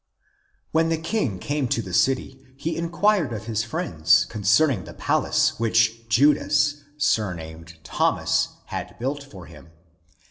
When the King came to the city, he inquired of his friends concerning the palace which Judas, surnamed Thomas, had built for him.